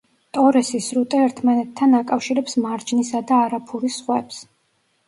ტორესის სრუტე ერთმანეთთან აკავშირებს მარჯნისა და არაფურის ზღვებს.